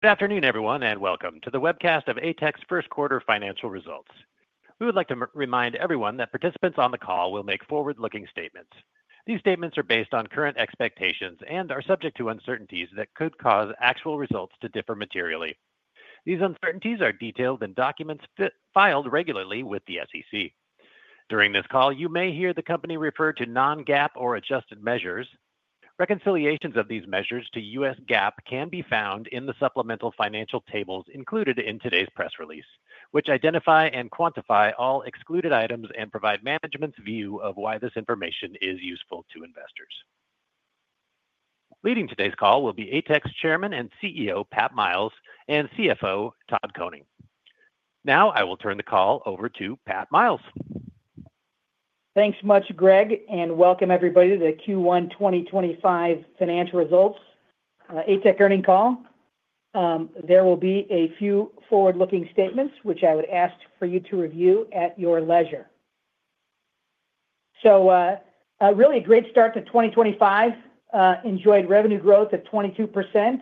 Good afternoon, everyone, and welcome to the webcast of ATEC's Q1 financial results. We would like to remind everyone that participants on the call will make forward-looking statements. These statements are based on current expectations and are subject to uncertainties that could cause actual results to differ materially. These uncertainties are detailed in documents filed regularly with the SEC. During this call, you may hear the company refer to non-GAAP or adjusted measures. Reconciliations of these measures to US GAAP can be found in the supplemental financial tables included in today's press release, which identify and quantify all excluded items and provide management's view of why this information is useful to investors. Leading today's call will be ATEC's Chairman and CEO, Pat Miles, and CFO, Todd Koning. Now, I will turn the call over to Pat Miles. Thanks so much, Greg, and welcome everybody to the Q1 2025 financial results ATEC earnings call. There will be a few forward-looking statements, which I would ask for you to review at your leisure. Really a great start to 2025. Enjoyed revenue growth at 22%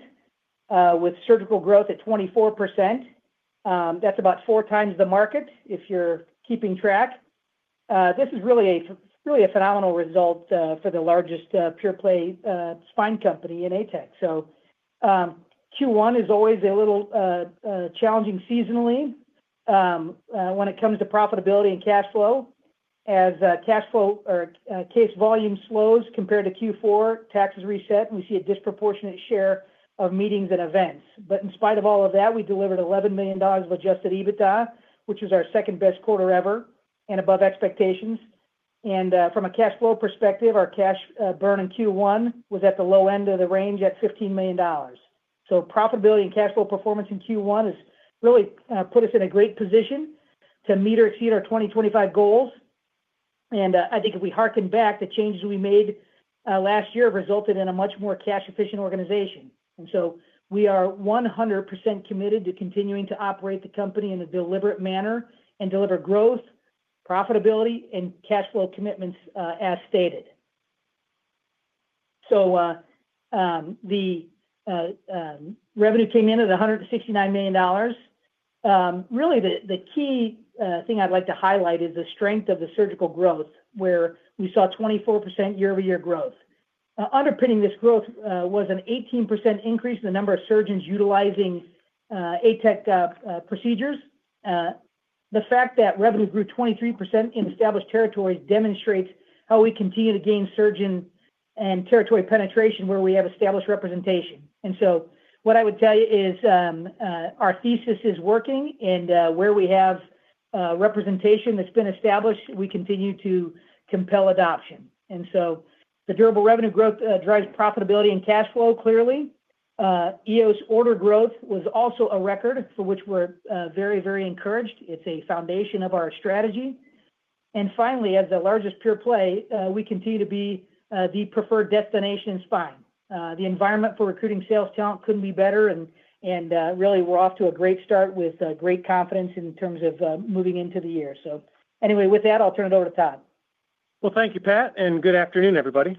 with surgical growth at 24%. That's about four times the market if you're keeping track. This is really a phenomenal result for the largest pure-play spine company in ATEC. Q1 is always a little challenging seasonally when it comes to profitability and cash flow. As cash flow or case volume slows compared to Q4, taxes reset, and we see a disproportionate share of meetings and events. In spite of all of that, we delivered $11 million of adjusted EBITDA, which was our second-best quarter ever and above expectations. From a cash flow perspective, our cash burn in Q1 was at the low end of the range at $15 million. Profitability and cash flow performance in Q1 has really put us in a great position to meet or exceed our 2025 goals. I think if we hearken back, the changes we made last year have resulted in a much more cash-efficient organization. We are 100% committed to continuing to operate the company in a deliberate manner and deliver growth, profitability, and cash flow commitments as stated. The revenue came in at $169 million. Really, the key thing I'd like to highlight is the strength of the surgical growth, where we saw 24% year-over-year growth. Underpinning this growth was an 18% increase in the number of surgeons utilizing ATEC procedures. The fact that revenue grew 23% in established territory demonstrates how we continue to gain surgeon and territory penetration where we have established representation. What I would tell you is our thesis is working, and where we have representation that's been established, we continue to compel adoption. The durable revenue growth drives profitability and cash flow clearly. EOS order growth was also a record for which we're very, very encouraged. It's a foundation of our strategy. Finally, as the largest pure play, we continue to be the preferred destination spine. The environment for recruiting sales talent couldn't be better. Really, we're off to a great start with great confidence in terms of moving into the year. With that, I'll turn it over to Todd. Thank you, Pat, and good afternoon, everybody.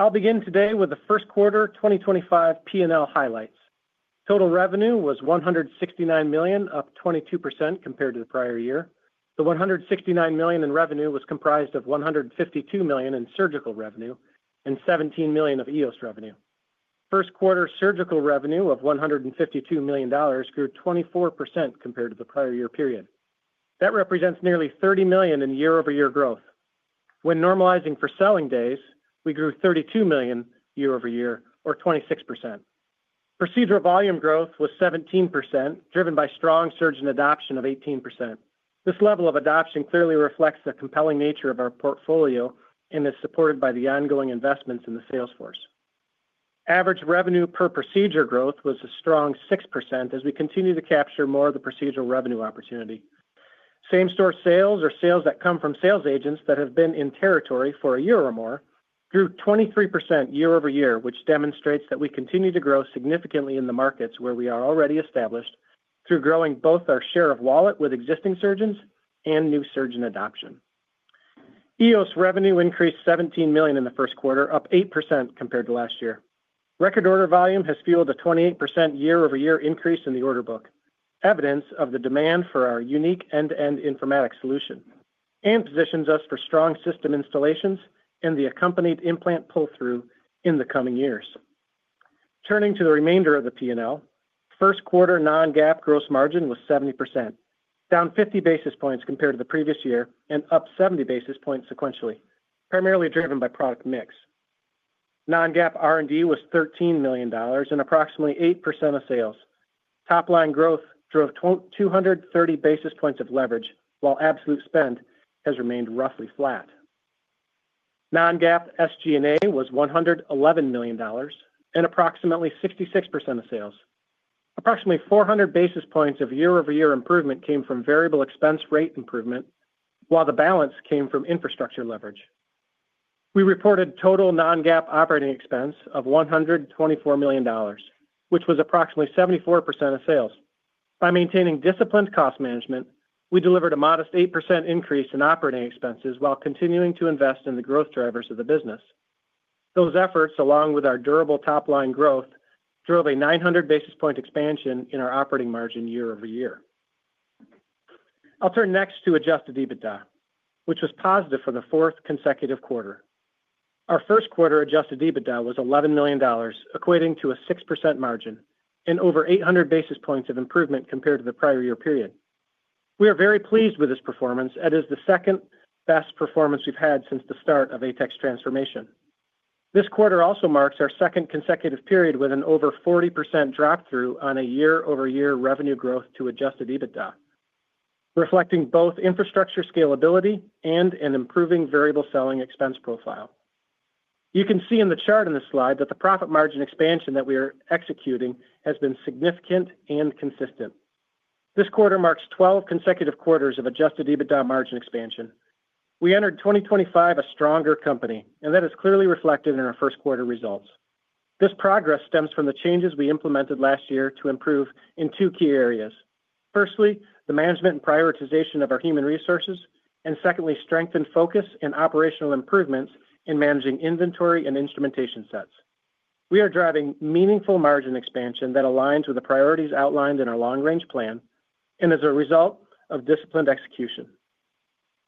I'll begin today with the Q1 2025 P&L highlights. Total revenue was $169 million, up 22% compared to the prior year. The $169 million in revenue was comprised of $152 million in surgical revenue and $17 million of EOS revenue. Q1 surgical revenue of $152 million grew 24% compared to the prior year period. That represents nearly $30 million in year-over-year growth. When normalizing for selling days, we grew $32 million year-over-year, or 26%. Procedural volume growth was 17%, driven by strong surgeon adoption of 18%. This level of adoption clearly reflects the compelling nature of our portfolio and is supported by the ongoing investments in the sales force. Average revenue per procedure growth was a strong 6% as we continue to capture more of the procedural revenue opportunity. Same-store sales, or sales that come from sales agents that have been in territory for a year or more, grew 23% year-over-year, which demonstrates that we continue to grow significantly in the markets where we are already established through growing both our share of wallet with existing surgeons and new surgeon adoption. EOS revenue increased $17 million in the Q1, up 8% compared to last year. Record order volume has fueled a 28% year-over-year increase in the order book, evidence of the demand for our unique end-to-end informatics solution, and positions us for strong system installations and the accompanied implant pull-through in the coming years. Turning to the remainder of the P&L, Q1 non-GAAP gross margin was 70%, down 50 basis points compared to the previous year and up 70 basis points sequentially, primarily driven by product mix. Non-GAAP R&D was $13 million and approximately 8% of sales. Top-line growth drove 230 basis points of leverage, while absolute spend has remained roughly flat. Non-GAAP SG&A was $111 million and approximately 66% of sales. Approximately 400 basis points of year-over-year improvement came from variable expense rate improvement, while the balance came from infrastructure leverage. We reported total non-GAAP operating expense of $124 million, which was approximately 74% of sales. By maintaining disciplined cost management, we delivered a modest 8% increase in operating expenses while continuing to invest in the growth drivers of the business. Those efforts, along with our durable top-line growth, drove a 900 basis point expansion in our operating margin year-over-year. I'll turn next to adjusted EBITDA, which was positive for the fourth consecutive quarter. Our Q1 adjusted EBITDA was $11 million, equating to a 6% margin and over 800 basis points of improvement compared to the prior year period. We are very pleased with this performance. It is the second best performance we've had since the start of ATEC's transformation. This quarter also marks our second consecutive period with an over 40% drop-through on a year-over-year revenue growth to adjusted EBITDA, reflecting both infrastructure scalability and an improving variable selling expense profile. You can see in the chart on this slide that the profit margin expansion that we are executing has been significant and consistent. This quarter marks 12 consecutive quarters of adjusted EBITDA margin expansion. We entered 2025 a stronger company, and that is clearly reflected in our Q1 results. This progress stems from the changes we implemented last year to improve in two key areas. Firstly, the management and prioritization of our human resources, and secondly, strengthened focus and operational improvements in managing inventory and instrumentation sets. We are driving meaningful margin expansion that aligns with the priorities outlined in our long-range plan and is a result of disciplined execution.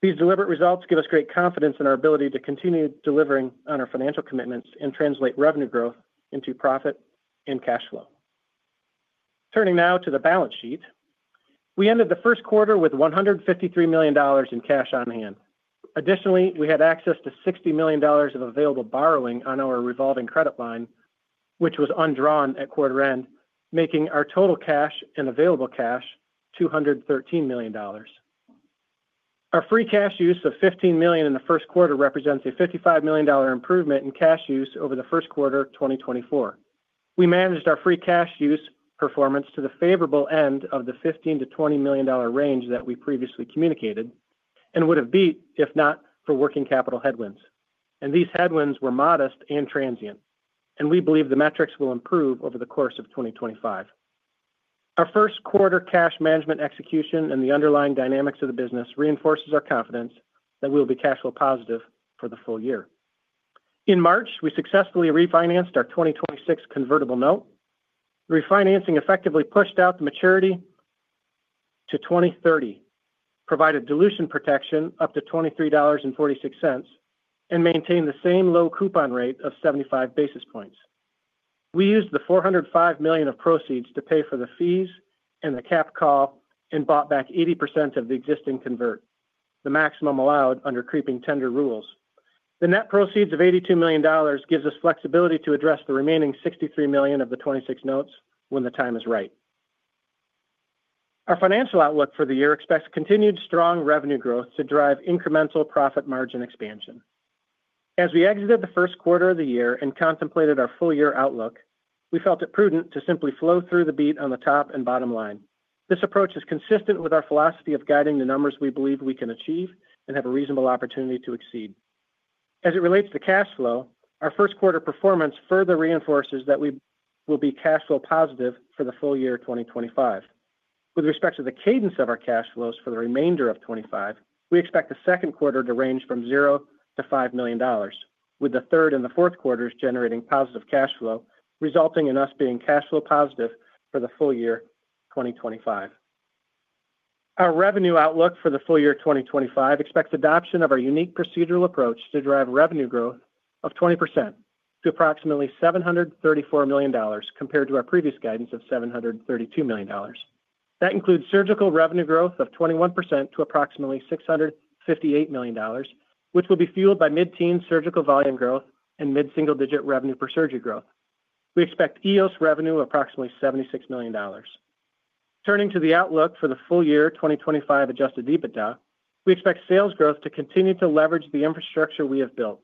These deliberate results give us great confidence in our ability to continue delivering on our financial commitments and translate revenue growth into profit and cash flow. Turning now to the balance sheet, we ended the Q1 with $153 million in cash on hand. Additionally, we had access to $60 million of available borrowing on our revolving credit line, which was undrawn at quarter end, making our total cash and available cash $213 million. Our free cash use of $15 million in the Q1 represents a $55 million improvement in cash use over the Q1 2024. We managed our free cash use performance to the favorable end of the $15-$20 million range that we previously communicated and would have beat if not for working capital headwinds. These headwinds were modest and transient, and we believe the metrics will improve over the course of 2025. Our Q1 cash management execution and the underlying dynamics of the business reinforces our confidence that we will be cash flow positive for the full year. In March, we successfully refinanced our 2026 convertible note. Refinancing effectively pushed out the maturity to 2030, provided dilution protection up to $23.46, and maintained the same low coupon rate of 75 basis points. We used the $405 million of proceeds to pay for the fees and the cap call and bought back 80% of the existing convert, the maximum allowed under creeping tender rules. The net proceeds of $82 million gives us flexibility to address the remaining $63 million of the 2026 notes when the time is right. Our financial outlook for the year expects continued strong revenue growth to drive incremental profit margin expansion. As we exited the Q1 of the year and contemplated our full year outlook, we felt it prudent to simply flow through the beat on the top and bottom line. This approach is consistent with our philosophy of guiding the numbers we believe we can achieve and have a reasonable opportunity to exceed. As it relates to cash flow, our Q1 performance further reinforces that we will be cash flow positive for the full year 2025. With respect to the cadence of our cash flows for the remainder of 2025, we expect the Q2 to range from $0 to $5 million, with the third and the Q4 generating positive cash flow, resulting in us being cash flow positive for the full year 2025. Our revenue outlook for the full year 2025 expects adoption of our unique procedural approach to drive revenue growth of 20% to approximately $734 million compared to our previous guidance of $732 million. That includes surgical revenue growth of 21% to approximately $658 million, which will be fueled by mid-teen surgical volume growth and mid-single digit revenue per surgery growth. We expect EOS revenue approximately $76 million. Turning to the outlook for the full year 2025 adjusted EBITDA, we expect sales growth to continue to leverage the infrastructure we have built,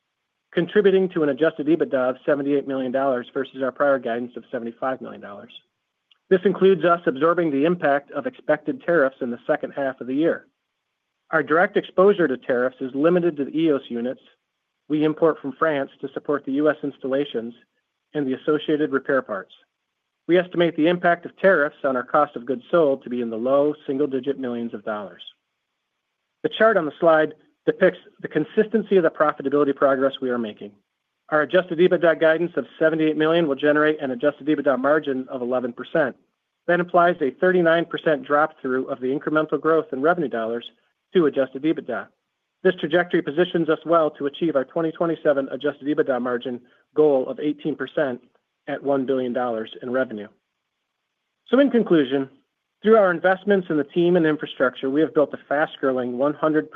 contributing to an adjusted EBITDA of $78 million versus our prior guidance of $75 million. This includes us absorbing the impact of expected tariffs in the second half of the year. Our direct exposure to tariffs is limited to the EOS units. We import from France to support the U.S. installations and the associated repair parts. We estimate the impact of tariffs on our cost of goods sold to be in the low single-digit millions of dollars. The chart on the slide depicts the consistency of the profitability progress we are making. Our adjusted EBITDA guidance of $78 million will generate an adjusted EBITDA margin of 11%. That implies a 39% drop-through of the incremental growth in revenue dollars to adjusted EBITDA. This trajectory positions us well to achieve our 2027 adjusted EBITDA margin goal of 18% at $1 billion in revenue. In conclusion, through our investments in the team and infrastructure, we have built a fast-growing, 100%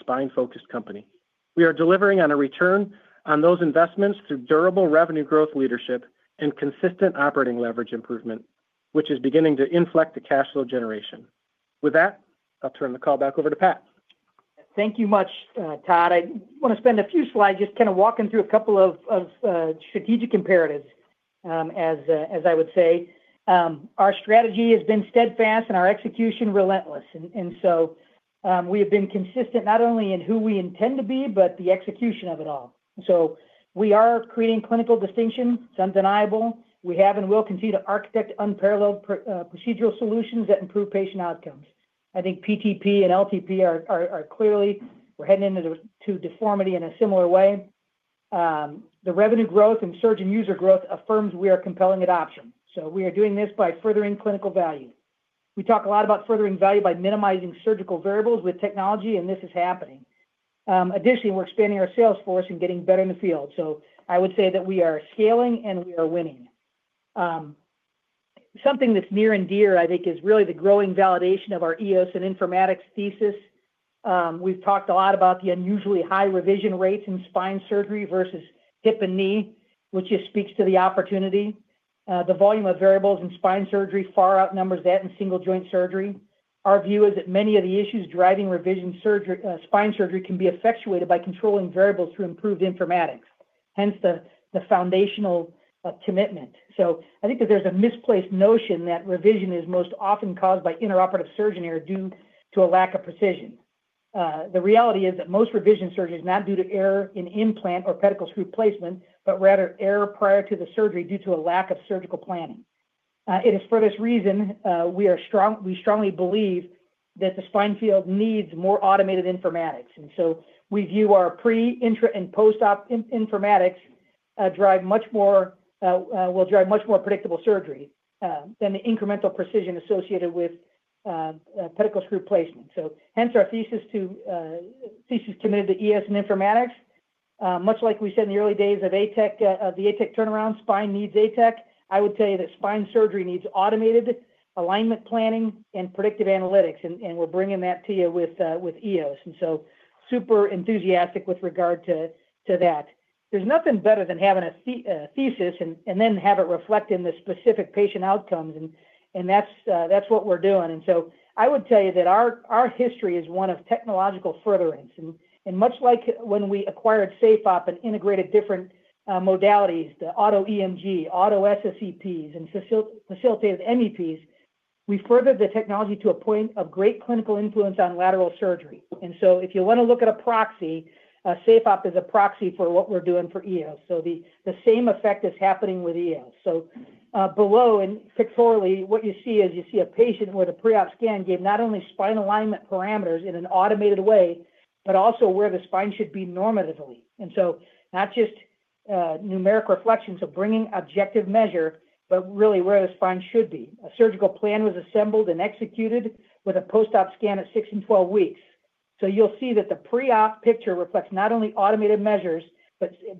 spine-focused company. We are delivering on a return on those investments through durable revenue growth leadership and consistent operating leverage improvement, which is beginning to inflect the cash flow generation. With that, I'll turn the call back over to Pat. Thank you much, Todd. I want to spend a few slides just kind of walking through a couple of strategic imperatives, as I would say. Our strategy has been steadfast and our execution relentless. We have been consistent not only in who we intend to be, but the execution of it all. We are creating clinical distinction. It's undeniable. We have and will continue to architect unparalleled procedural solutions that improve patient outcomes. I think PTP and LTP are clearly—we're heading into deformity in a similar way. The revenue growth and surgeon user growth affirms we are compelling adoption. We are doing this by furthering clinical value. We talk a lot about furthering value by minimizing surgical variables with technology, and this is happening. Additionally, we're expanding our sales force and getting better in the field. I would say that we are scaling and we are winning. Something that's near and dear, I think, is really the growing validation of our EOS and informatics thesis. We've talked a lot about the unusually high revision rates in spine surgery versus hip and knee, which just speaks to the opportunity. The volume of variables in spine surgery far outnumbers that in single joint surgery. Our view is that many of the issues driving revision spine surgery can be effectuated by controlling variables through improved informatics, hence the foundational commitment. I think that there's a misplaced notion that revision is most often caused by intraoperative surgeon error due to a lack of precision. The reality is that most revision surgery is not due to error in implant or pedicle screw placement, but rather error prior to the surgery due to a lack of surgical planning. It is for this reason we strongly believe that the spine field needs more automated informatics. We view our pre, intra, and post-op informatics will drive much more predictable surgery than the incremental precision associated with pedicle screw placement. Hence our thesis committed to EOS and informatics. Much like we said in the early days of the ATEC turnaround, spine needs ATEC. I would tell you that spine surgery needs automated alignment planning and predictive analytics, and we're bringing that to you with EOS. Super enthusiastic with regard to that. There's nothing better than having a thesis and then have it reflect in the specific patient outcomes, and that's what we're doing. I would tell you that our history is one of technological furtherance. Much like when we acquired SafeOp and integrated different modalities, the auto EMG, auto SSEPs, and facilitated MEPs, we furthered the technology to a point of great clinical influence on lateral surgery. If you want to look at a proxy, SafeOp is a proxy for what we are doing for EOS. The same effect is happening with EOS. Below and pictorially, what you see is you see a patient where the pre-op scan gave not only spine alignment parameters in an automated way, but also where the spine should be normatively. Not just numeric reflections of bringing objective measure, but really where the spine should be. A surgical plan was assembled and executed with a post-op scan at 6 and 12 weeks. You will see that the pre-op picture reflects not only automated measures,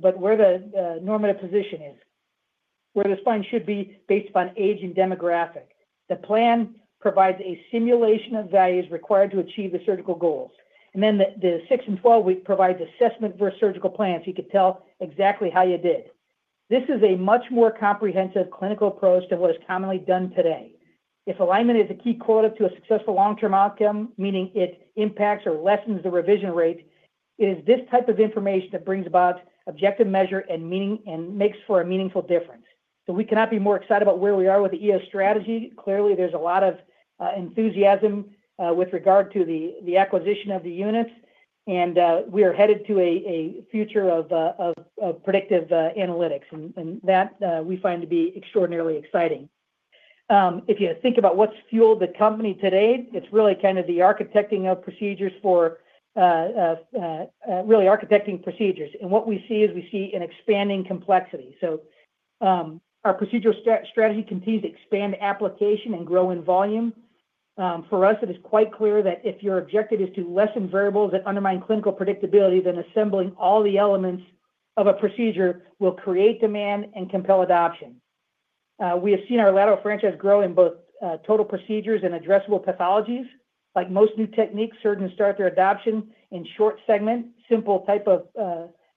but where the normative position is, where the spine should be based upon age and demographic. The plan provides a simulation of values required to achieve the surgical goals. The 6 and 12 week provides assessment for surgical plans. You could tell exactly how you did. This is a much more comprehensive clinical approach to what is commonly done today. If alignment is a key quota to a successful long-term outcome, meaning it impacts or lessens the revision rate, it is this type of information that brings about objective measure and makes for a meaningful difference. We cannot be more excited about where we are with the EOS strategy. Clearly, there's a lot of enthusiasm with regard to the acquisition of the units, and we are headed to a future of predictive analytics, and that we find to be extraordinarily exciting. If you think about what's fueled the company today, it's really kind of the architecting of procedures for really architecting procedures. What we see is we see an expanding complexity. Our procedural strategy continues to expand application and grow in volume. For us, it is quite clear that if your objective is to lessen variables that undermine clinical predictability, then assembling all the elements of a procedure will create demand and compel adoption. We have seen our lateral franchise grow in both total procedures and addressable pathologies. Like most new techniques, surgeons start their adoption in short segment, simple type of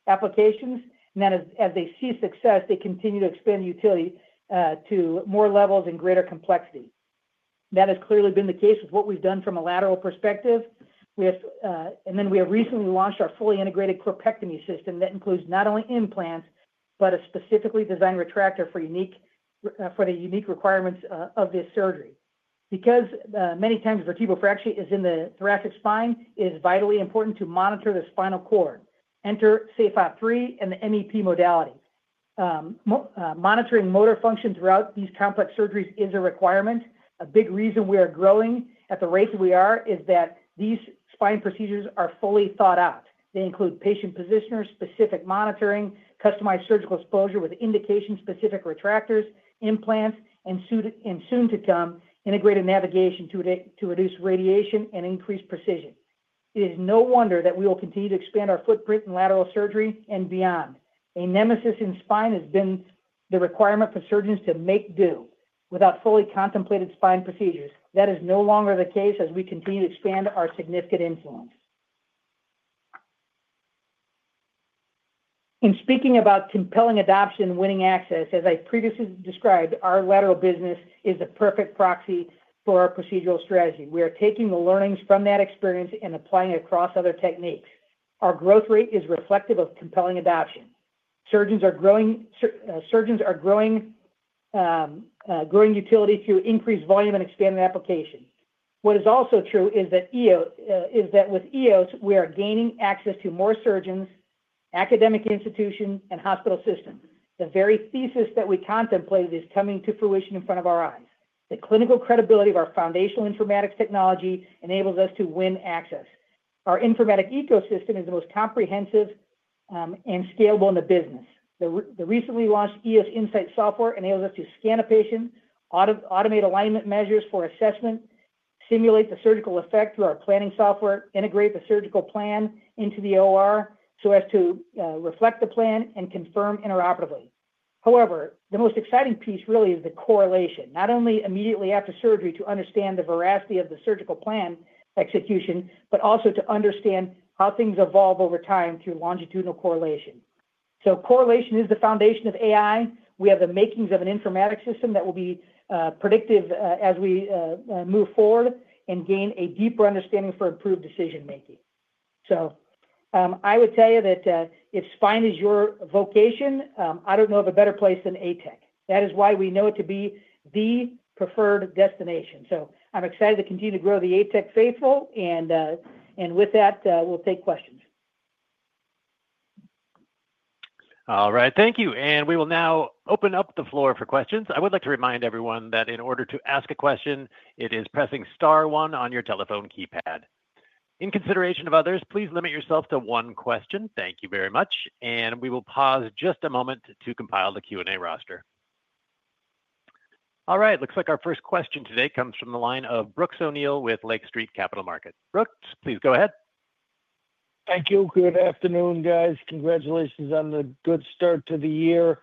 applications, and then as they see success, they continue to expand utility to more levels and greater complexity. That has clearly been the case with what we've done from a lateral perspective. We have recently launched our fully integrated corpectomy system that includes not only implants, but a specifically designed retractor for the unique requirements of this surgery. Because many times vertebral fracture is in the thoracic spine, it is vitally important to monitor the spinal cord, enter SafeOp 3 and the MEP modality. Monitoring motor function throughout these complex surgeries is a requirement. A big reason we are growing at the rate that we are is that these spine procedures are fully thought out. They include patient positioners, specific monitoring, customized surgical exposure with indication-specific retractors, implants, and soon-to-come integrated navigation to reduce radiation and increase precision. It is no wonder that we will continue to expand our footprint in lateral surgery and beyond. A nemesis in spine has been the requirement for surgeons to make do without fully contemplated spine procedures. That is no longer the case as we continue to expand our significant influence. In speaking about compelling adoption and winning access, as I previously described, our lateral business is the perfect proxy for our procedural strategy. We are taking the learnings from that experience and applying it across other techniques. Our growth rate is reflective of compelling adoption. Surgeons are growing utility through increased volume and expanded application. What is also true is that with EOS, we are gaining access to more surgeons, academic institutions, and hospital systems. The very thesis that we contemplated is coming to fruition in front of our eyes. The clinical credibility of our foundational informatics technology enables us to win access. Our informatic ecosystem is the most comprehensive and scalable in the business. The recently launched EOS Insight software enables us to scan a patient, automate alignment measures for assessment, simulate the surgical effect through our planning software, integrate the surgical plan into the OR so as to reflect the plan and confirm intraoperatively. However, the most exciting piece really is the correlation, not only immediately after surgery to understand the veracity of the surgical plan execution, but also to understand how things evolve over time through longitudinal correlation. Correlation is the foundation of AI. We have the makings of an informatic system that will be predictive as we move forward and gain a deeper understanding for improved decision-making. I would tell you that if spine is your vocation, I don't know of a better place than ATEC. That is why we know it to be the preferred destination. I'm excited to continue to grow the ATEC faithful, and with that, we'll take questions. All right. Thank you. We will now open up the floor for questions. I would like to remind everyone that in order to ask a question, it is pressing star one on your telephone keypad. In consideration of others, please limit yourself to one question. Thank you very much. We will pause just a moment to compile the Q&A roster. All right. Looks like our first question today comes from the line of Brooks O'Neil with Lake Street Capital Markets. Brooks, please go ahead. Thank you. Good afternoon, guys. Congratulations on a good start to the year.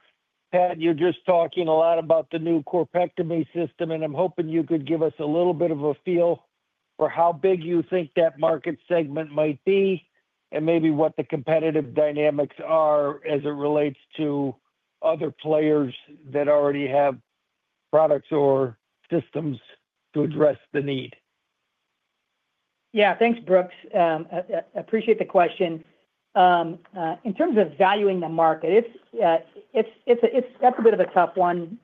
Pat, you're just talking a lot about the new corpectomy system, and I'm hoping you could give us a little bit of a feel for how big you think that market segment might be and maybe what the competitive dynamics are as it relates to other players that already have products or systems to address the need. Yeah. Thanks, Brooks. I appreciate the question. In terms of valuing the market, that's a bit of a tough one.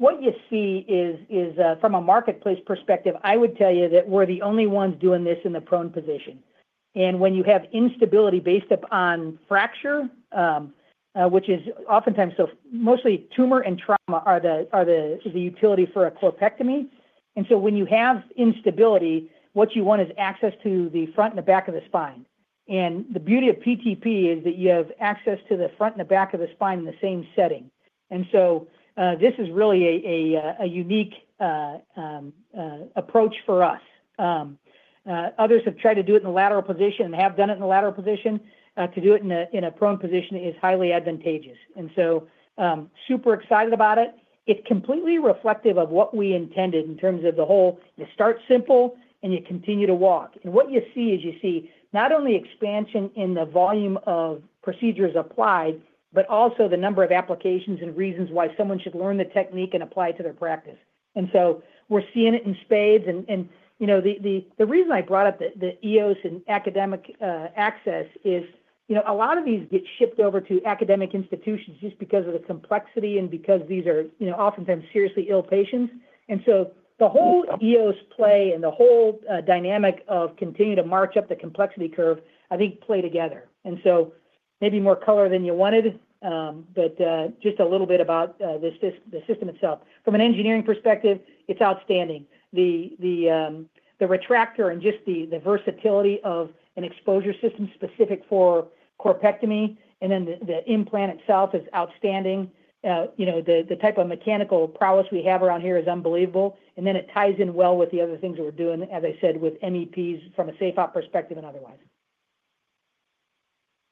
What you see is, from a marketplace perspective, I would tell you that we're the only ones doing this in the prone position. When you have instability based upon fracture, which is oftentimes mostly tumor and trauma are the utility for a corpectomy. When you have instability, what you want is access to the front and the back of the spine. The beauty of PTP is that you have access to the front and the back of the spine in the same setting. This is really a unique approach for us. Others have tried to do it in the lateral position and have done it in the lateral position. To do it in a prone position is highly advantageous. Super excited about it. It's completely reflective of what we intended in terms of the whole you start simple and you continue to walk. What you see is you see not only expansion in the volume of procedures applied, but also the number of applications and reasons why someone should learn the technique and apply it to their practice. We're seeing it in spades. The reason I brought up the EOS and academic access is a lot of these get shipped over to academic institutions just because of the complexity and because these are oftentimes seriously ill patients. The whole EOS play and the whole dynamic of continuing to march up the complexity curve, I think, play together. Maybe more color than you wanted, but just a little bit about the system itself. From an engineering perspective, it's outstanding. The retractor and just the versatility of an exposure system specific for corpectomy and then the implant itself is outstanding. The type of mechanical prowess we have around here is unbelievable. It ties in well with the other things that we're doing, as I said, with MEPs from a SafeOp perspective and otherwise.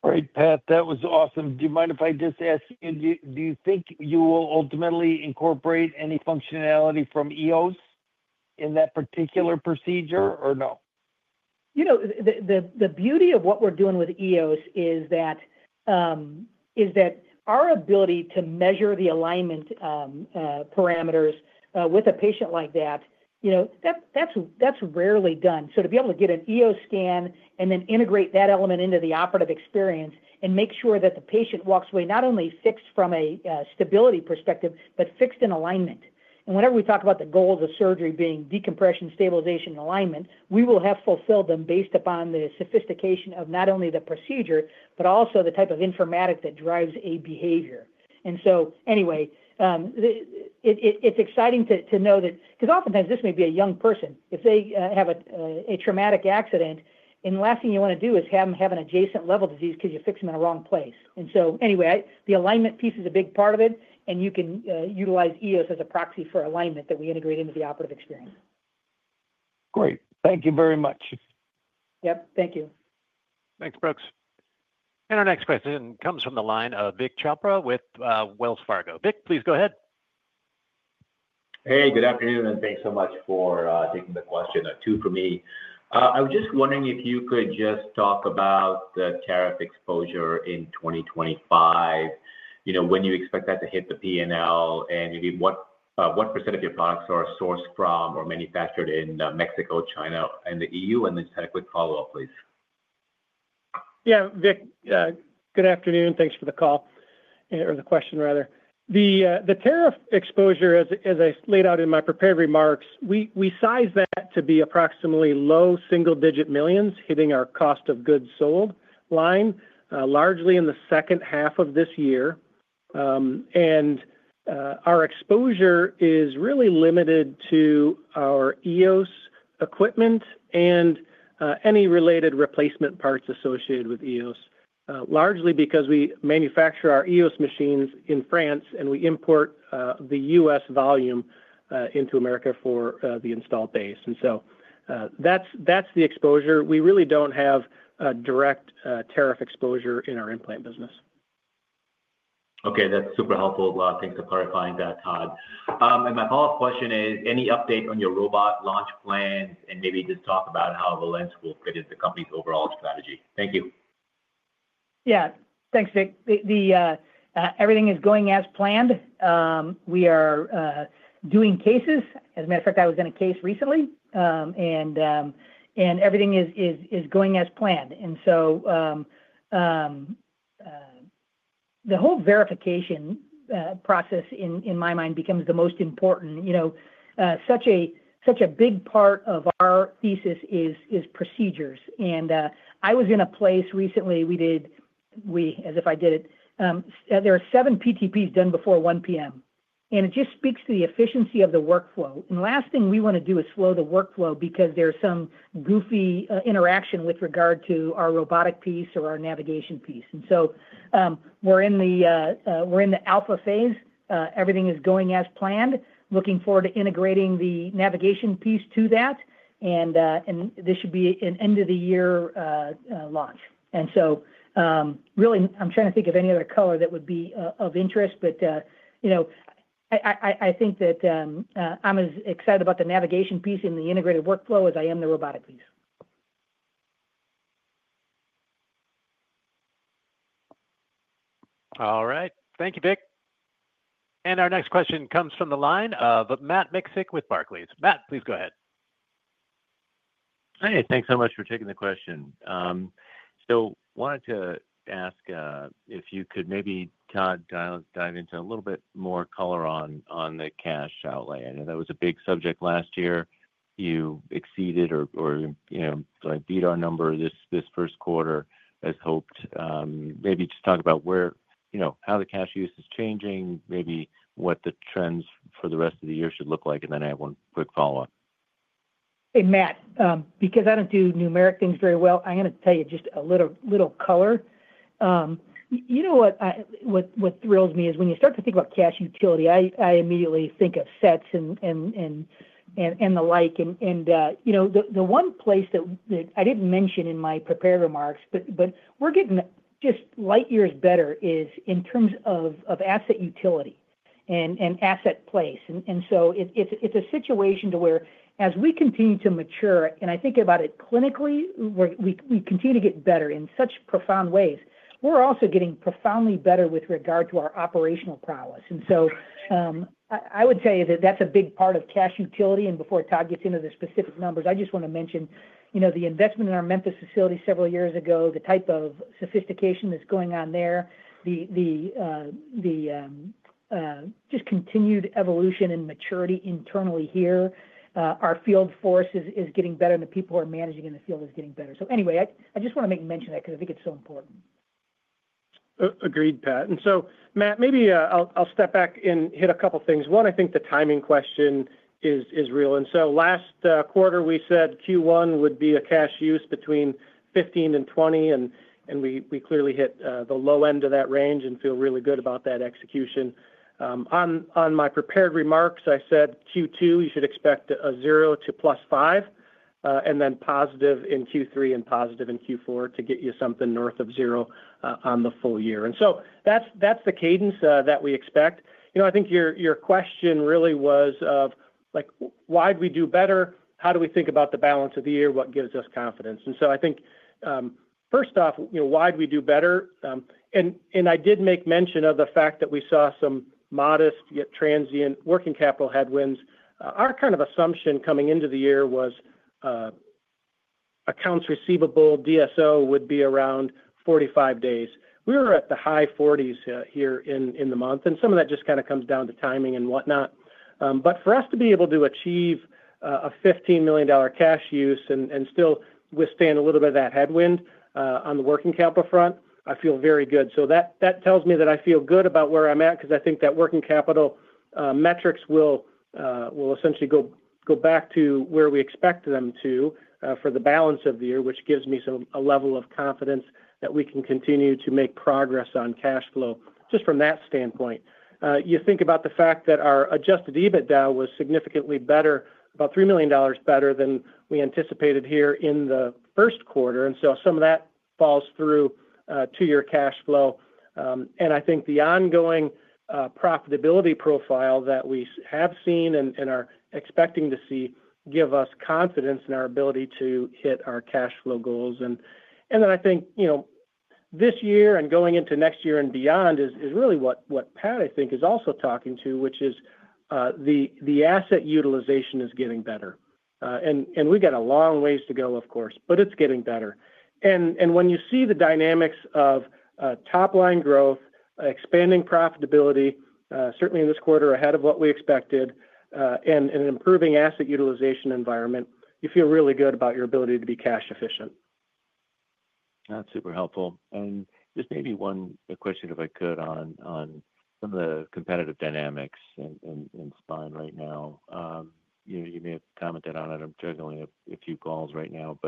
All right, Pat, that was awesome. Do you mind if I just ask you, do you think you will ultimately incorporate any functionality from EOS in that particular procedure or no? You know, the beauty of what we're doing with EOS is that our ability to measure the alignment parameters with a patient like that, that's rarely done. To be able to get an EOS scan and then integrate that element into the operative experience and make sure that the patient walks away not only fixed from a stability perspective, but fixed in alignment. Whenever we talk about the goals of surgery being decompression, stabilization, and alignment, we will have fulfilled them based upon the sophistication of not only the procedure, but also the type of informatic that drives a behavior. Anyway, it's exciting to know that because oftentimes this may be a young person. If they have a traumatic accident, the last thing you want to do is have them have an adjacent level disease because you fix them in the wrong place. Anyway, the alignment piece is a big part of it, and you can utilize EOS as a proxy for alignment that we integrate into the operative experience. Great. Thank you very much. Yep. Thank you. Thanks, Brooks. Our next question comes from the line of Vik Chopra with Wells Fargo. Vik, please go ahead. Hey, good afternoon, and thanks so much for taking the question. Two for me. I was just wondering if you could just talk about the tariff exposure in 2025, when you expect that to hit the P&L, and maybe what % of your products are sourced from or manufactured in Mexico, China, and the EU. I just had a quick follow-up, please. Yeah, Vic, good afternoon. Thanks for the call or the question, rather. The tariff exposure, as I laid out in my prepared remarks, we size that to be approximately low single-digit millions hitting our cost of goods sold line, largely in the second half of this year. Our exposure is really limited to our EOS equipment and any related replacement parts associated with EOS, largely because we manufacture our EOS machines in France and we import the U.S. volume into America for the installed base. That's the exposure. We really don't have direct tariff exposure in our implant business. Okay. That's super helpful. Thanks for clarifying that, Todd. My follow-up question is, any update on your robot launch plans and maybe just talk about how Valence will fit into the company's overall strategy? Thank you. Yeah. Thanks, Vic. Everything is going as planned. We are doing cases. As a matter of fact, I was in a case recently, and everything is going as planned. The whole verification process, in my mind, becomes the most important. Such a big part of our thesis is procedures. I was in a place recently; we did, as if I did it, there are seven PTPs done before 1:00 P.M. It just speaks to the efficiency of the workflow. The last thing we want to do is slow the workflow because there's some goofy interaction with regard to our robotic piece or our navigation piece. We are in the alpha phase. Everything is going as planned. Looking forward to integrating the navigation piece to that. This should be an end-of-the-year launch. Really, I'm trying to think of any other color that would be of interest, but I think that I'm as excited about the navigation piece in the integrated workflow as I am the robotic piece. All right. Thank you, Vic. Our next question comes from the line of Matt Miksic with Barclays. Matt, please go ahead. Hi. Thanks so much for taking the question. Wanted to ask if you could maybe, Todd, dive into a little bit more color on the cash outlay. I know that was a big subject last year. You exceeded or beat our number this Q1, as hoped. Maybe just talk about how the cash use is changing, maybe what the trends for the rest of the year should look like, and then I have one quick follow-up. Hey, Matt, because I don't do numeric things very well, I'm going to tell you just a little color. You know what thrills me is when you start to think about cash utility, I immediately think of sets and the like. The one place that I didn't mention in my prepared remarks, but we're getting just light years better, is in terms of asset utility and asset place. It's a situation to where, as we continue to mature, and I think about it clinically, we continue to get better in such profound ways. We're also getting profoundly better with regard to our operational prowess. I would tell you that that's a big part of cash utility. Before Todd gets into the specific numbers, I just want to mention the investment in our Memphis facility several years ago, the type of sophistication that's going on there, the just continued evolution and maturity internally here. Our field force is getting better, and the people who are managing in the field are getting better. I just want to make mention of that because I think it's so important. Agreed, Pat. Matt, maybe I'll step back and hit a couple of things. One, I think the timing question is real. Last quarter, we said Q1 would be a cash use between $15 million and $20 million, and we clearly hit the low end of that range and feel really good about that execution. In my prepared remarks, I said Q2, you should expect a zero to plus five, and then positive in Q3 and positive in Q4 to get you something north of zero on the full year. That's the cadence that we expect. I think your question really was, why do we do better? How do we think about the balance of the year? What gives us confidence? I think, first off, why do we do better? I did make mention of the fact that we saw some modest, yet transient working capital headwinds. Our kind of assumption coming into the year was accounts receivable, DSO would be around 45 days. We were at the high 40s here in the month, and some of that just kind of comes down to timing and whatnot. For us to be able to achieve a $15 million cash use and still withstand a little bit of that headwind on the working capital front, I feel very good. That tells me that I feel good about where I'm at because I think that working capital metrics will essentially go back to where we expect them to for the balance of the year, which gives me a level of confidence that we can continue to make progress on cash flow just from that standpoint. You think about the fact that our adjusted EBITDA was significantly better, about $3 million better than we anticipated here in the Q1. Some of that falls through to your cash flow. I think the ongoing profitability profile that we have seen and are expecting to see gives us confidence in our ability to hit our cash flow goals. I think this year and going into next year and beyond is really what Pat, I think, is also talking to, which is the asset utilization is getting better. We have got a long ways to go, of course, but it is getting better. When you see the dynamics of top-line growth, expanding profitability, certainly in this quarter ahead of what we expected, and an improving asset utilization environment, you feel really good about your ability to be cash efficient. That's super helpful. Just maybe one question, if I could, on some of the competitive dynamics in Spine right now. You may have commented on it. I'm juggling a few calls right now.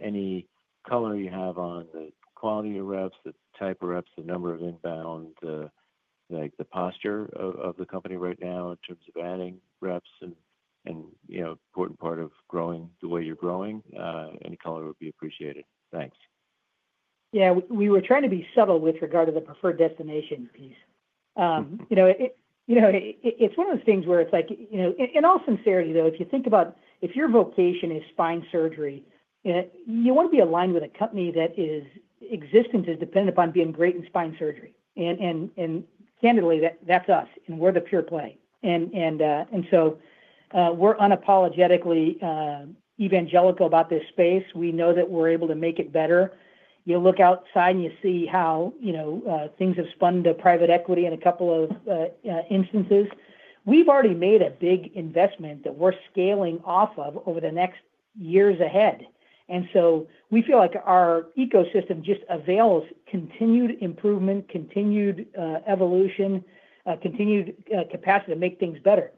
Any color you have on the quality of reps, the type of reps, the number of inbound, the posture of the company right now in terms of adding reps and an important part of growing the way you're growing, any color would be appreciated. Thanks. Yeah. We were trying to be subtle with regard to the preferred destination piece. It's one of those things where it's like, in all sincerity, though, if you think about if your vocation is spine surgery, you want to be aligned with a company that existence is dependent upon being great in spine surgery. And candidly, that's us, and we're the pure play. We're unapologetically evangelical about this space. We know that we're able to make it better. You look outside and you see how things have spun to private equity in a couple of instances. We've already made a big investment that we're scaling off of over the next years ahead. We feel like our ecosystem just avails continued improvement, continued evolution, continued capacity to make things better.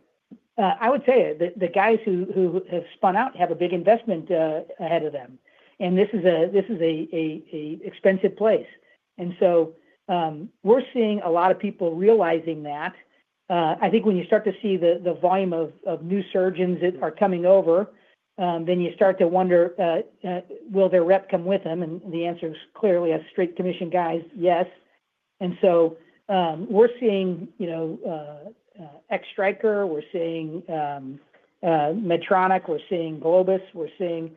I would say the guys who have spun out have a big investment ahead of them. This is an expensive place. We're seeing a lot of people realizing that. I think when you start to see the volume of new surgeons that are coming over, you start to wonder, will their rep come with them? The answer is clearly, as straight commission guys, yes. We're seeing ex-Stryker, we're seeing Medtronic, we're seeing Globus, we're seeing...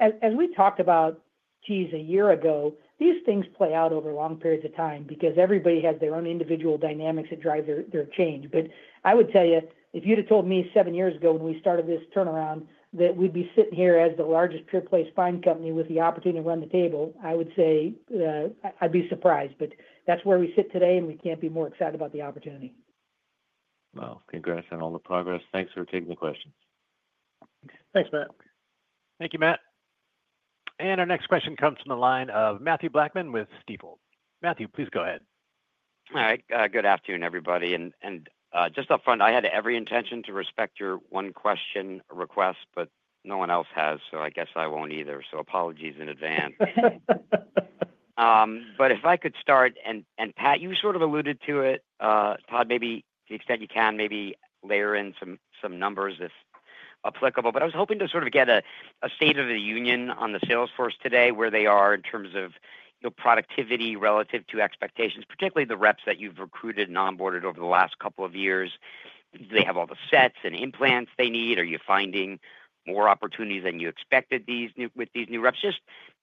As we talked about, geez, a year ago, these things play out over long periods of time because everybody has their own individual dynamics that drive their change. I would tell you, if you'd have told me seven years ago when we started this turnaround that we'd be sitting here as the largest pure-play spine company with the opportunity to run the table, I would say I'd be surprised. That is where we sit today, and we can't be more excited about the opportunity. Wow. Congrats on all the progress. Thanks for taking the questions. Thanks, Matt. Thank you, Matt. Our next question comes from the line of Matthew Blackman with Stifel. Matthew, please go ahead. Hi. Good afternoon, everybody. Just upfront, I had every intention to respect your one question request, but no one else has, I guess I won't either. Apologies in advance. If I could start, Pat, you sort of alluded to it, Todd, maybe to the extent you can, maybe layer in some numbers if applicable. I was hoping to sort of get a state of the union on the salesforce today, where they are in terms of productivity relative to expectations, particularly the reps that you've recruited and onboarded over the last couple of years. Do they have all the sets and implants they need? Are you finding more opportunities than you expected with these new reps?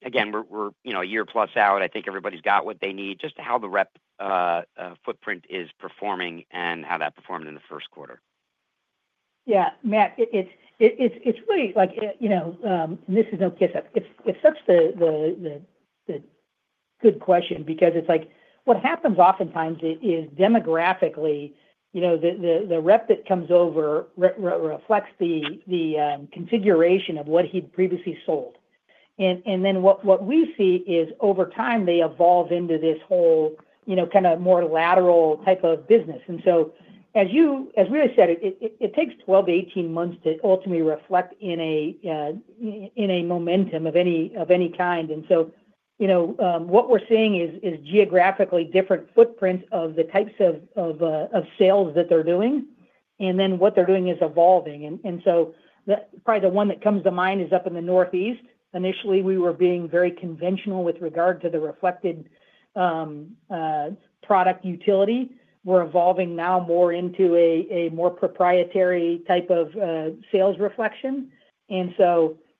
Again, we're a year plus out. I think everybody's got what they need. Just how the rep footprint is performing and how that performed in the Q1. Yeah. Matt, it's really like, and this is no kiss-up. It's such the good question because it's like, what happens oftentimes is demographically, the rep that comes over reflects the configuration of what he previously sold. What we see is, over time, they evolve into this whole kind of more lateral type of business. As we said, it takes 12 to 18 months to ultimately reflect in a momentum of any kind. What we're seeing is geographically different footprints of the types of sales that they're doing, and then what they're doing is evolving. Probably the one that comes to mind is up in the Northeast. Initially, we were being very conventional with regard to the reflected product utility. We're evolving now more into a more proprietary type of sales reflection.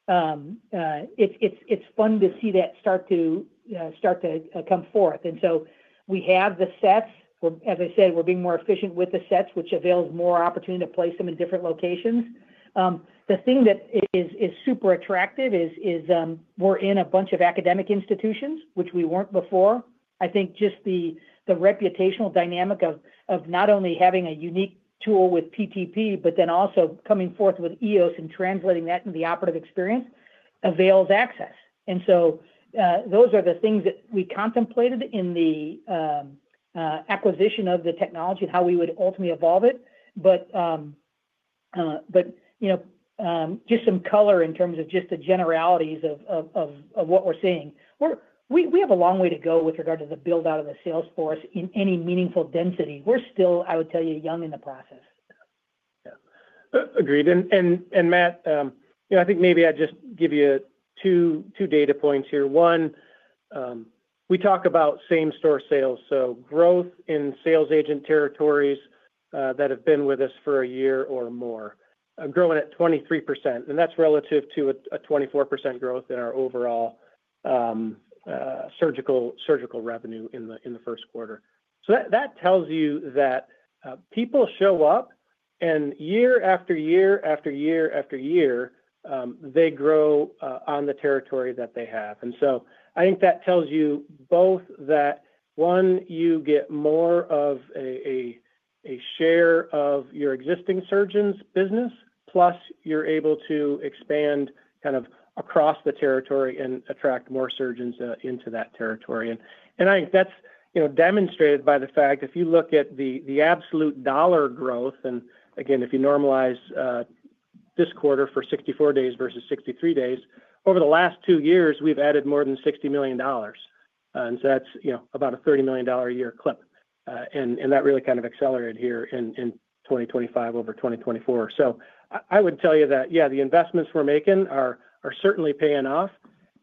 It's fun to see that start to come forth. We have the sets. As I said, we're being more efficient with the sets, which avails more opportunity to place them in different locations. The thing that is super attractive is we're in a bunch of academic institutions, which we weren't before. I think just the reputational dynamic of not only having a unique tool with PTP, but then also coming forth with EOS and translating that into the operative experience avails access. Those are the things that we contemplated in the acquisition of the technology and how we would ultimately evolve it. Just some color in terms of just the generalities of what we're seeing. We have a long way to go with regard to the build-out of the salesforce in any meaningful density. We're still, I would tell you, young in the process. Agreed. Matt, I think maybe I just give you two data points here. One, we talk about same-store sales, so growth in sales agent territories that have been with us for a year or more, growing at 23%. That is relative to a 24% growth in our overall surgical revenue in the Q1. That tells you that people show up, and year after year after year after year, they grow on the territory that they have. I think that tells you both that, one, you get more of a share of your existing surgeons' business, plus you are able to expand kind of across the territory and attract more surgeons into that territory. I think that is demonstrated by the fact if you look at the absolute dollar growth. If you normalize this quarter for 64 days versus 63 days, over the last two years, we've added more than $60 million. That's about a $30 million a year clip. That really kind of accelerated here in 2025 over 2024. I would tell you that, yeah, the investments we're making are certainly paying off.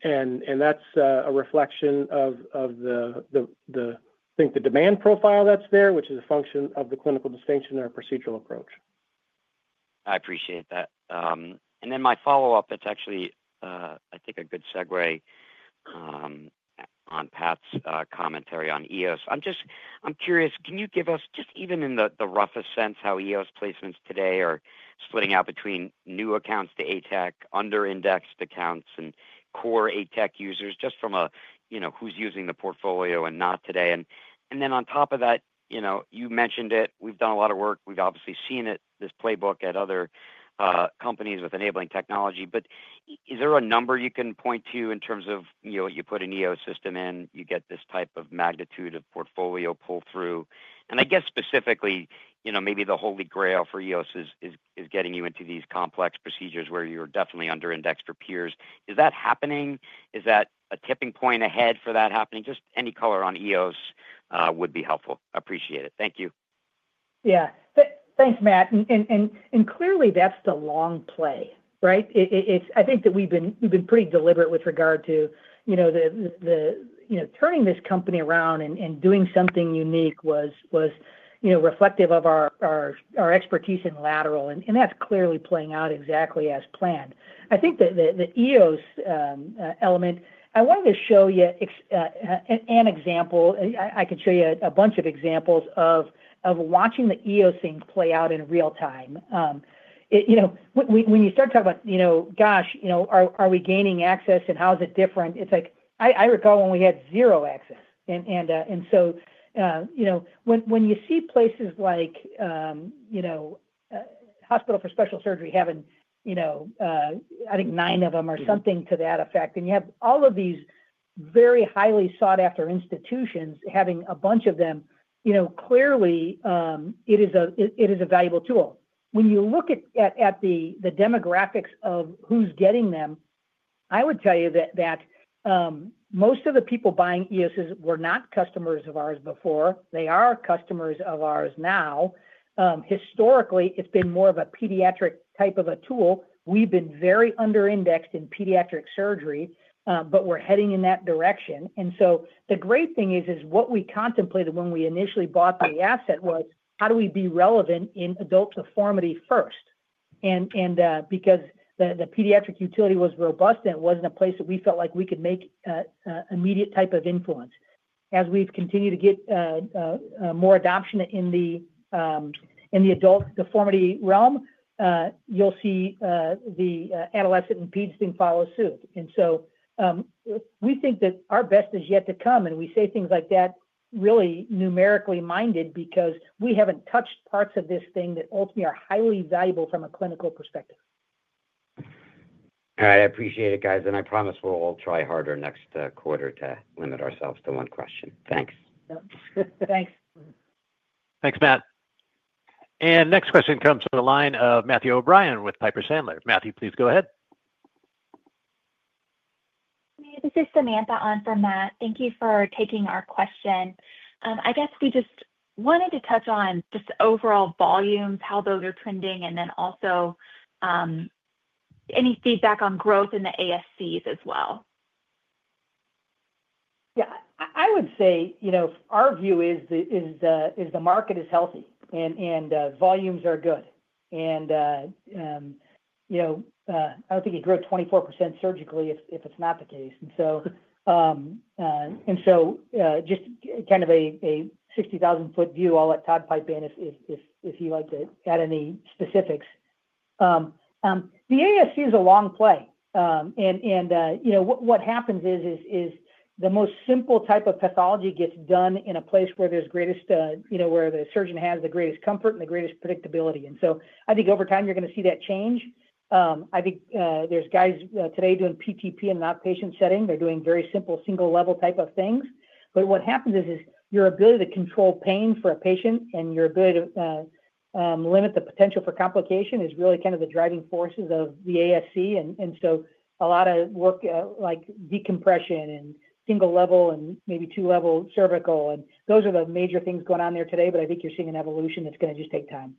That's a reflection of the, I think, the demand profile that's there, which is a function of the clinical distinction and our procedural approach. I appreciate that. My follow-up, it's actually, I think, a good segue on Pat's commentary on EOS. I'm curious, can you give us just even in the roughest sense how EOS placements today are splitting out between new accounts to ATEC, under-indexed accounts, and core ATEC users, just from who's using the portfolio and not today? You mentioned it. We've done a lot of work. We've obviously seen this playbook at other companies with enabling technology. Is there a number you can point to in terms of you put an EOS system in, you get this type of magnitude of portfolio pull-through? I guess specifically, maybe the Holy Grail for EOS is getting you into these complex procedures where you're definitely under-indexed for peers. Is that happening? Is that a tipping point ahead for that happening? Just any color on EOS would be helpful. Appreciate it. Thank you. Yeah. Thanks, Matt. Clearly, that's the long play, right? I think that we've been pretty deliberate with regard to turning this company around and doing something unique that was reflective of our expertise in lateral. That's clearly playing out exactly as planned. I think the EOS element, I wanted to show you an example. I could show you a bunch of examples of watching the EOS things play out in real time. When you start talking about, gosh, are we gaining access and how is it different? It's like, I recall when we had zero access. When you see places like Hospital for Special Surgery having, I think, nine of them or something to that effect, and you have all of these very highly sought-after institutions having a bunch of them, clearly, it is a valuable tool. When you look at the demographics of who's getting them, I would tell you that most of the people buying EOSs were not customers of ours before. They are customers of ours now. Historically, it's been more of a pediatric type of a tool. We've been very under-indexed in pediatric surgery, but we're heading in that direction. The great thing is what we contemplated when we initially bought the asset was, how do we be relevant in adult deformity first? Because the pediatric utility was robust and it wasn't a place that we felt like we could make immediate type of influence. As we've continued to get more adoption in the adult deformity realm, you'll see the adolescent impeding thing follow suit. We think that our best is yet to come. We say things like that really numerically minded because we haven't touched parts of this thing that ultimately are highly valuable from a clinical perspective. All right. I appreciate it, guys. I promise we'll all try harder next quarter to limit ourselves to one question. Thanks. Thanks. Thanks, Matt. Next question comes from the line of Matthew O'Brien with Piper Sandler. Matthew, please go ahead. This is Samantha on from Matt. Thank you for taking our question. I guess we just wanted to touch on just overall volumes, how those are trending, and then also any feedback on growth in the ASCs as well. Yeah. I would say our view is the market is healthy and volumes are good. I don't think it grew 24% surgically if it's not the case. Just kind of a 60,000-footview view, I'll let Todd pipe in if he'd like to add any specifics. The ASC is a long play. What happens is the most simple type of pathology gets done in a place where there's greatest, where the surgeon has the greatest comfort and the greatest predictability. I think over time, you're going to see that change. I think there's guys today doing PTP in an outpatient setting. They're doing very simple single-level type of things. What happens is your ability to control pain for a patient and your ability to limit the potential for complication is really kind of the driving forces of the ASC. A lot of work like decompression and single-level and maybe two-level cervical. Those are the major things going on there today. I think you're seeing an evolution that's going to just take time.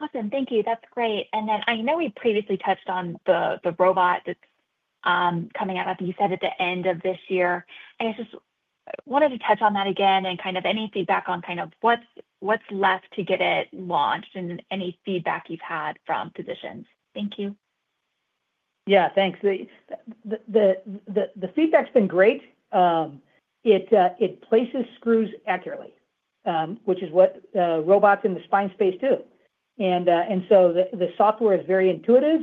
Awesome. Thank you. That's great. I know we previously touched on the robot that's coming out, I think you said at the end of this year. I guess just wanted to touch on that again and kind of any feedback on kind of what's left to get it launched and any feedback you've had from physicians. Thank you. Yeah. Thanks. The feedback's been great. It places screws accurately, which is what robots in the spine space do. The software is very intuitive.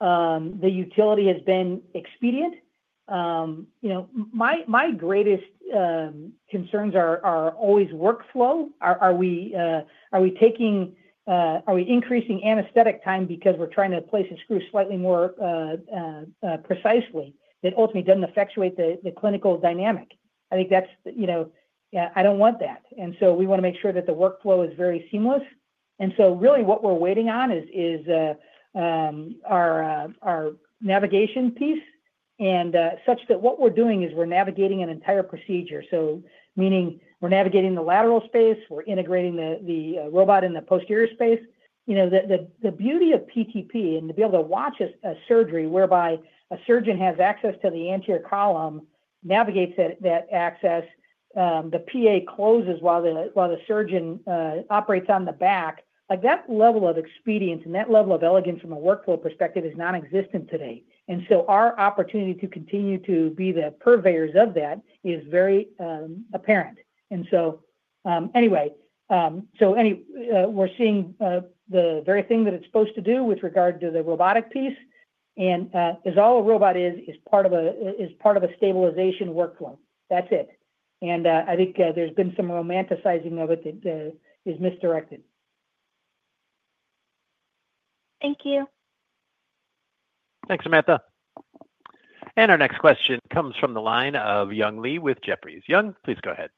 The utility has been expedient. My greatest concerns are always workflow. Are we taking, are we increasing anesthetic time because we're trying to place a screw slightly more precisely? It ultimately doesn't effectuate the clinical dynamic. I think that's, yeah, I don't want that. We want to make sure that the workflow is very seamless. Really, what we're waiting on is our navigation piece and such that what we're doing is we're navigating an entire procedure. So meaning we're navigating the lateral space. We're integrating the robot in the posterior space. The beauty of PTP and to be able to watch a surgery whereby a surgeon has access to the anterior column, navigates that access, the PA closes while the surgeon operates on the back. That level of expedience and that level of elegance from a workflow perspective is nonexistent today. Our opportunity to continue to be the purveyors of that is very apparent. Anyway, we're seeing the very thing that it's supposed to do with regard to the robotic piece. As all a robot is, is part of a stabilization workflow. That's it. I think there's been some romanticizing of it that is misdirected. Thank you. Thanks, Samantha. Our next question comes from the line of Young Lee with Jefferies. Young, please go ahead.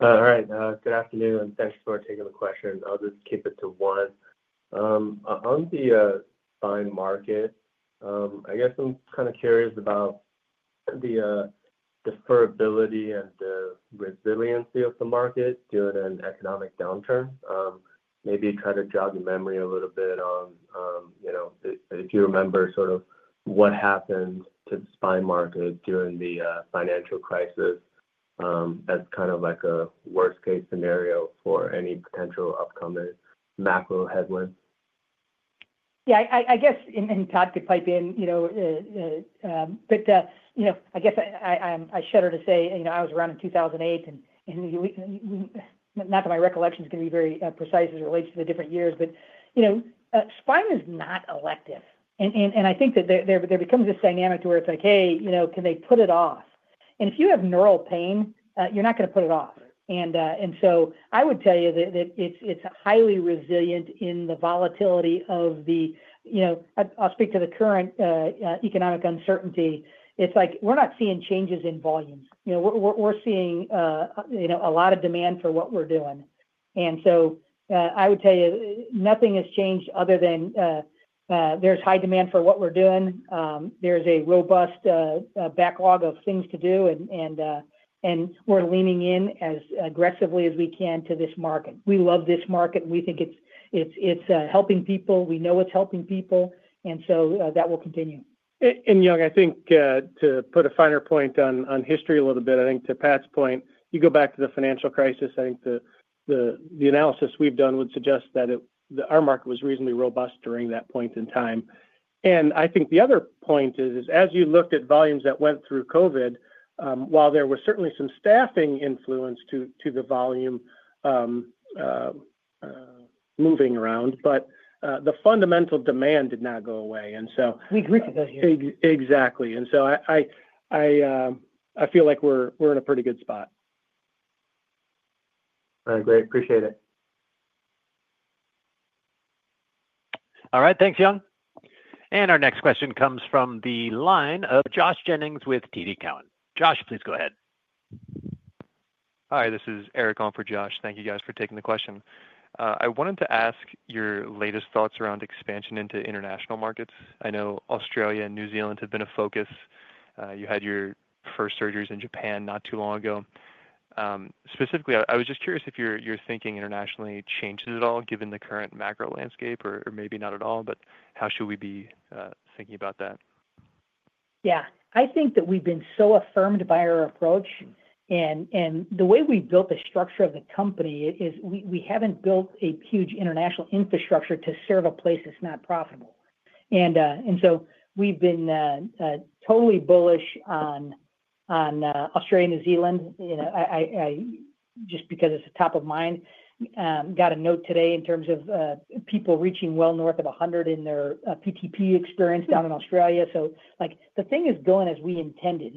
All right. Good afternoon. Thanks for taking the question. I'll just keep it to one. On the spine market, I guess I'm kind of curious about the deferrability and the resiliency of the market during an economic downturn. Maybe try to jog your memory a little bit on if you remember sort of what happened to the spine market during the financial crisis as kind of like a worst-case scenario for any potential upcoming macro headwind. Yeah. I guess, and Todd could pipe in. I shudder to say I was around in 2008. Not that my recollection is going to be very precise as it relates to the different years, but spine is not elective. I think that there becomes this dynamic to where it's like, "Hey, can they put it off?" If you have neural pain, you're not going to put it off. I would tell you that it's highly resilient in the volatility of the, I'll speak to the current economic uncertainty. It's like we're not seeing changes in volumes. We're seeing a lot of demand for what we're doing. I would tell you nothing has changed other than there's high demand for what we're doing. There's a robust backlog of things to do. We are leaning in as aggressively as we can to this market. We love this market. We think it's helping people. We know it's helping people. That will continue. Young, I think to put a finer point on history a little bit, I think to Pat's point, you go back to the financial crisis. I think the analysis we've done would suggest that our market was reasonably robust during that point in time. I think the other point is, as you looked at volumes that went through COVID, while there was certainly some staffing influence to the volume moving around, the fundamental demand did not go away. We grew for those years. Exactly. I feel like we're in a pretty good spot. All right. Great. Appreciate it. All right. Thanks, Young. Our next question comes from the line of Josh Jennings with TD Cowen. Josh, please go ahead. Hi. This is Eric Alm for Josh. Thank you, guys, for taking the question. I wanted to ask your latest thoughts around expansion into international markets. I know Australia and New Zealand have been a focus. You had your first surgeries in Japan not too long ago. Specifically, I was just curious if your thinking internationally changes at all given the current macro landscape or maybe not at all, but how should we be thinking about that? Yeah. I think that we've been so affirmed by our approach. The way we built the structure of the company is we haven't built a huge international infrastructure to serve a place that's not profitable. We've been totally bullish on Australia and New Zealand just because it's top of mind. Got a note today in terms of people reaching well north of 100 in their PTP experience down in Australia. The thing is going as we intended.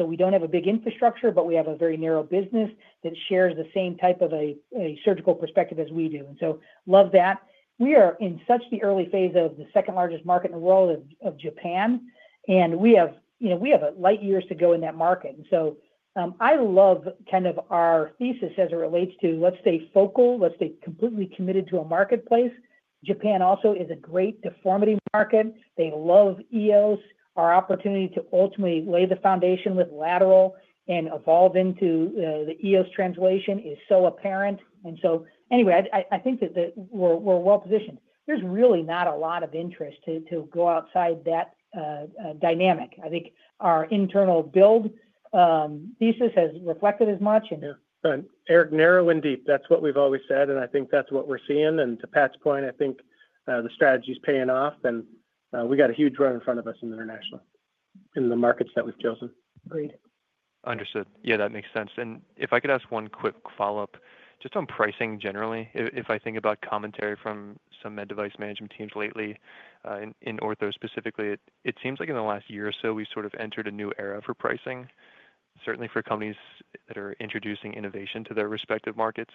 We don't have a big infrastructure, but we have a very narrow business that shares the same type of a surgical perspective as we do. Love that. We are in such the early phase of the second largest market in the world of Japan. We have light years to go in that market. I love kind of our thesis as it relates to, let's say, focal, let's say, completely committed to a marketplace. Japan also is a great deformity market. They love EOS. Our opportunity to ultimately lay the foundation with lateral and evolve into the EOS translation is so apparent. Anyway, I think that we're well positioned. There's really not a lot of interest to go outside that dynamic. I think our internal build thesis has reflected as much. To Eric, narrow and deep. That is what we have always said. I think that is what we are seeing. To Pat's point, I think the strategy is paying off. We got a huge road in front of us internationally in the markets that we have chosen. Agreed. Understood. Yeah, that makes sense. If I could ask one quick follow-up just on pricing generally, if I think about commentary from some med device management teams lately in ortho specifically, it seems like in the last year or so, we sort of entered a new era for pricing, certainly for companies that are introducing innovation to their respective markets.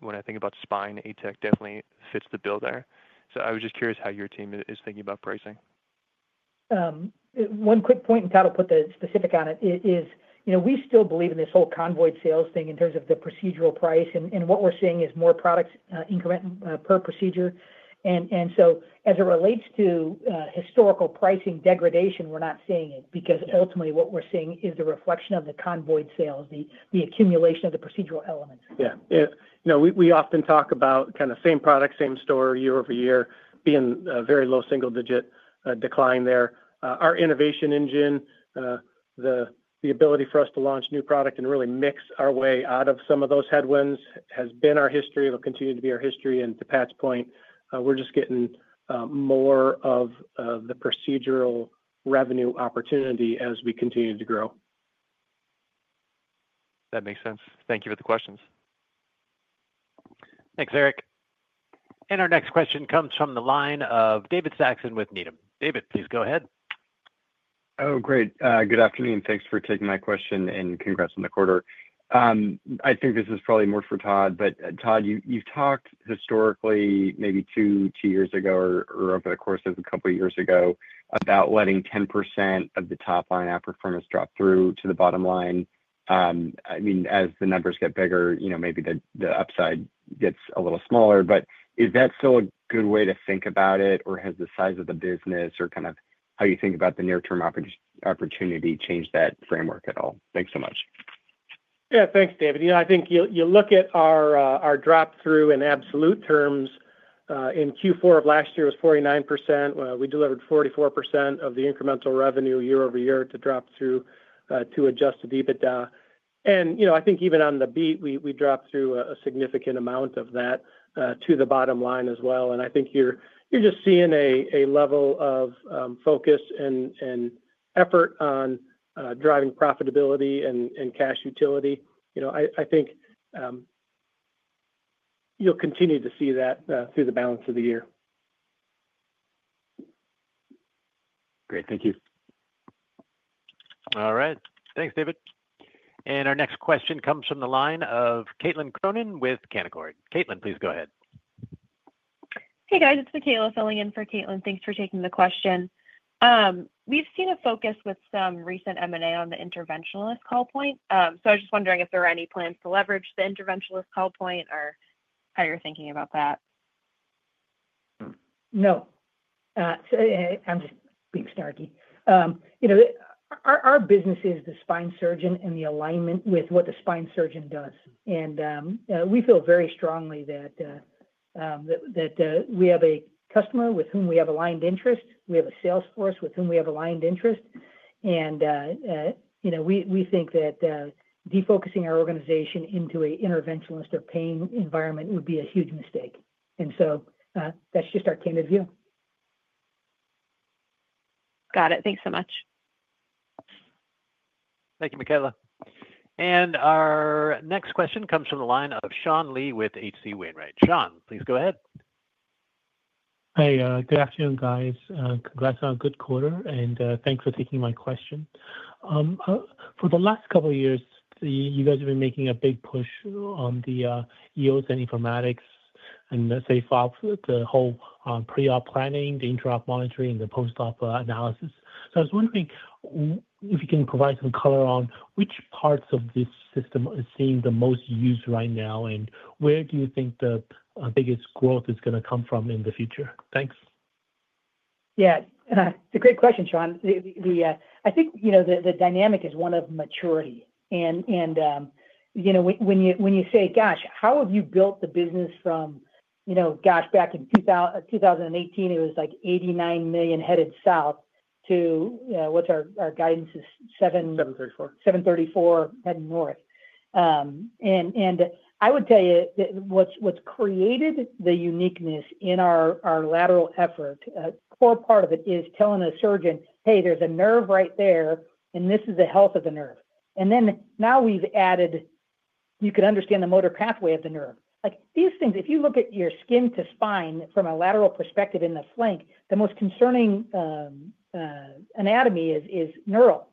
When I think about spine, ATEC definitely fits the bill there. I was just curious how your team is thinking about pricing. One quick point, and Todd will put the specific on it, is we still believe in this whole convoy sales thing in terms of the procedural price. What we're seeing is more products increment per procedure. As it relates to historical pricing degradation, we're not seeing it because ultimately what we're seeing is the reflection of the convoy sales, the accumulation of the procedural elements. Yeah. We often talk about kind of same product, same store year over year being a very low single-digit decline there. Our innovation engine, the ability for us to launch new product and really mix our way out of some of those headwinds has been our history and will continue to be our history. To Pat's point, we're just getting more of the procedural revenue opportunity as we continue to grow. That makes sense. Thank you for the questions. Thanks, Eric. Our next question comes from the line of David Saxon with Needham. David, please go ahead. Oh, great. Good afternoon. Thanks for taking my question and congrats on the quarter. I think this is probably more for Todd, but Todd, you've talked historically maybe two years ago or over the course of a couple of years ago about letting 10% of the top line outperformance drop through to the bottom line. I mean, as the numbers get bigger, maybe the upside gets a little smaller. Is that still a good way to think about it? Or has the size of the business or kind of how you think about the near-term opportunity changed that framework at all? Thanks so much. Yeah. Thanks, David. I think you look at our drop-through in absolute terms in Q4 of last year was 49%. We delivered 44% of the incremental revenue year over year to drop through to adjusted EBITDA. I think even on the beat, we dropped through a significant amount of that to the bottom line as well. I think you're just seeing a level of focus and effort on driving profitability and cash utility. I think you'll continue to see that through the balance of the year. Great. Thank you. All right. Thanks, David. Our next question comes from the line of Caitlin Cronin with Canaccord. Caitlin, please go ahead. Hey, guys. It's Michaela filling in for Caitlin. Thanks for taking the question. We've seen a focus with some recent M&A on the interventionalist call point. I was just wondering if there are any plans to leverage the interventionalist call point or how you're thinking about that. No. I'm just being snarky. Our business is the spine surgeon and the alignment with what the spine surgeon does. We feel very strongly that we have a customer with whom we have aligned interest. We have a salesforce with whom we have aligned interest. We think that defocusing our organization into an interventionalist or pain environment would be a huge mistake. That's just our candid view. Got it. Thanks so much. Thank you, Michaela. Our next question comes from the line of Sean Lee with H.C. Wainwright. Sean, please go ahead. Hi. Good afternoon, guys. Congrats on a good quarter. Thanks for taking my question. For the last couple of years, you guys have been making a big push on the EOS and informatics and, say, follow-up, the whole pre-op planning, the intra-op monitoring, and the post-op analysis. I was wondering if you can provide some color on which parts of this system is seeing the most use right now and where do you think the biggest growth is going to come from in the future. Thanks. Yeah. It's a great question, Sean. I think the dynamic is one of maturity. And when you say, "Gosh, how have you built the business from, gosh, back in 2018, it was like $89 million headed south to what's our guidance is 7. 734. 734 heading north." I would tell you what's created the uniqueness in our lateral effort, a core part of it is telling a surgeon, "Hey, there's a nerve right there, and this is the health of the nerve." Now we've added, "You can understand the motor pathway of the nerve." These things, if you look at your skin to spine from a lateral perspective in the flank, the most concerning anatomy is neural.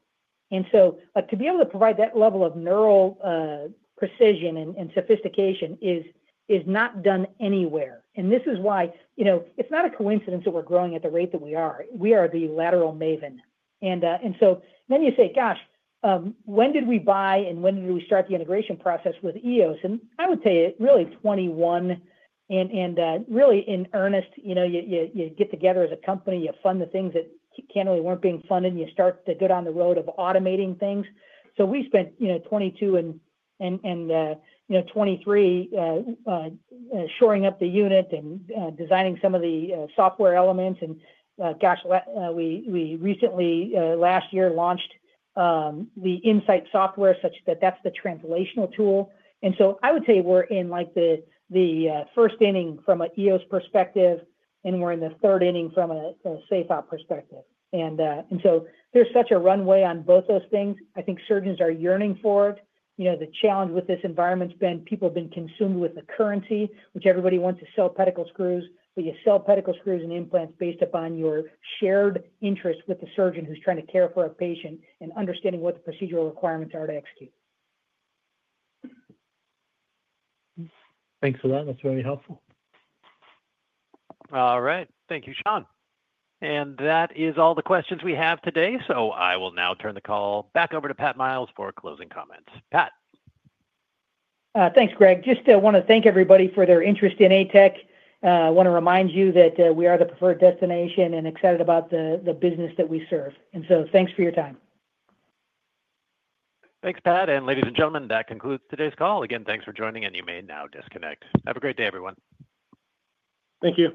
To be able to provide that level of neural precision and sophistication is not done anywhere. This is why it's not a coincidence that we're growing at the rate that we are. We are the lateral maven. You say, "Gosh, when did we buy and when did we start the integration process with EOS?" I would tell you really 2021. Really in earnest, you get together as a company, you fund the things that really were not being funded, and you start to get on the road of automating things. We spent 2022 and 2023 shoring up the unit and designing some of the software elements. Gosh, we recently last year launched the Insight software such that that's the translational tool. I would say we're in the first inning from an EOS perspective, and we're in the third inning from a SafeOp perspective. There is such a runway on both those things. I think surgeons are yearning for it. The challenge with this environment has been people have been consumed with the currency, which everybody wants to sell pedicle screws. You sell pedicle screws and implants based upon your shared interest with the surgeon who's trying to care for a patient and understanding what the procedural requirements are to execute. Thanks for that. That's very helpful. All right. Thank you, Sean. That is all the questions we have today. I will now turn the call back over to Pat Miles for closing comments. Pat? Thanks, Greg. Just want to thank everybody for their interest in ATEC. I want to remind you that we are the preferred destination and excited about the business that we serve. Thanks for your time. Thanks, Pat. Ladies and gentlemen, that concludes today's call. Again, thanks for joining, and you may now disconnect. Have a great day, everyone. Thank you.